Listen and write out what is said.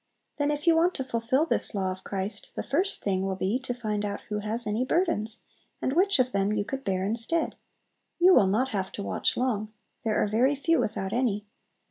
Then if you want to fulfill this law of Christ, the first thing will be to find out who has any burdens, and which of them you could bear instead. You will not have to watch long! There are very few without any.